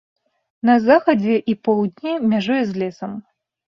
На захадзе і поўдні мяжуе з лесам.